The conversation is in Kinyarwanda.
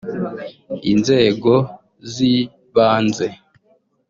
inzego z’ibanze